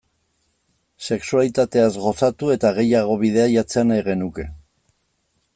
Sexualitateaz gozatu eta gehiago bidaiatzea nahi genuke.